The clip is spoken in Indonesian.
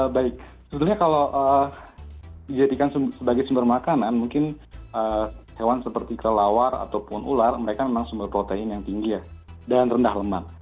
baik sebetulnya kalau dijadikan sebagai sumber makanan mungkin hewan seperti kelelawar ataupun ular mereka memang sumber protein yang tinggi ya dan rendah lemak